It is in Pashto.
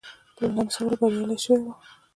لمسولو بریالی شوی وو.